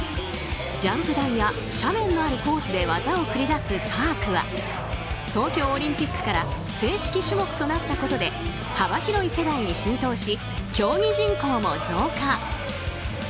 ジャンプ台や斜面のあるコースで技を繰り出すパークは東京オリンピックから正式種目となったことで幅広い世代に浸透し競技人口も増加。